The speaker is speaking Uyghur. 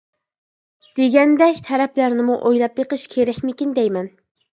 دېگەندەك تەرەپلەرنىمۇ ئويلاپ بېقىش كېرەكمىكىن دەيمەن.